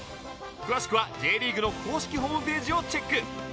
詳しくは Ｊ リーグの公式ホームページをチェック